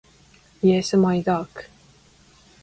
イエスマイダーク